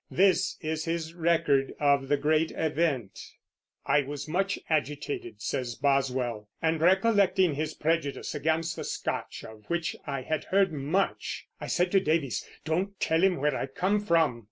This is his record of the great event: I was much agitated [says Boswell] and recollecting his prejudice against the Scotch, of which I had heard much, I said to Davies, "Don't tell him where I come from."